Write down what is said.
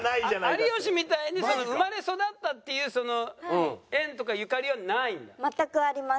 有吉みたいに生まれ育ったっていう縁とかゆかりはないんだ？